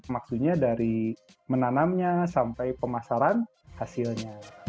maksudnya dari menanamnya sampai pemasaran hasilnya